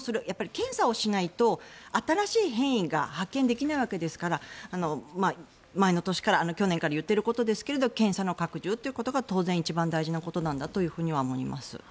検査をしないと新しい変異が発見できないわけですから前の年、去年から言っていることですが検査の拡充ということが当然、一番大事なことなんだとは思います。